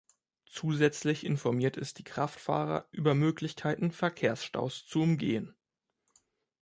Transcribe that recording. Zusätzlich informiert es die Kraftfahrer über Möglichkeiten Verkehrsstaus zu umgehen.